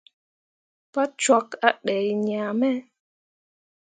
Pa cwakke a dai ŋaa me.